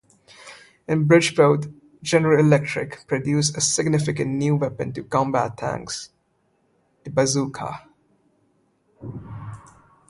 In Bridgeport, General Electric produced a significant new weapon to combat tanks: the bazooka.